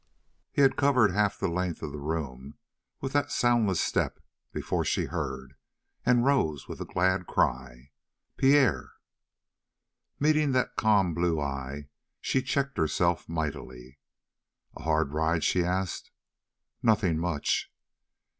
He had covered half the length of the room with that soundless step before she heard, and rose with a glad cry: "Pierre!" Meeting that calm blue eye, she checked herself mightily. "A hard ride?" she asked. "Nothing much."